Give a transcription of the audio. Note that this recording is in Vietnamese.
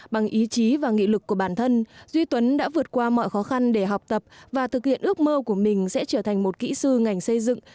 bằng ý chí và nghị lực của bản thân duy tuấn đã vượt qua mọi khó khăn để học tập và thực hiện ước mơ của mình sẽ trở thành một kỹ sư ngành xây dựng